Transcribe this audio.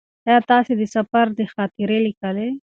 ایا تاسې د سفر خاطرې لیکئ؟